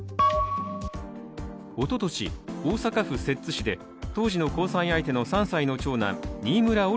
おととし、大阪府摂津市で当時の交際相手の３歳の長男新村桜